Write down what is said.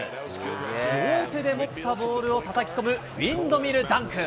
両手で持ったボールをたたき込む、ウィンドミルダンク。